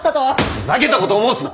ふざけたことを申すな！